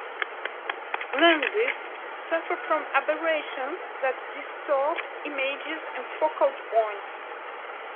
Lenses suffer from aberrations that distort images and focal points.